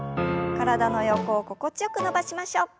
体の横を心地よく伸ばしましょう。